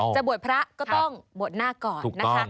จะบวชพระก็ต้องบวชหน้าก่อนนะคะ